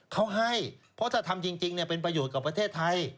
เขาให้เพราะถ้าทำจริงเป็นประโยชน์กับประเทศไทย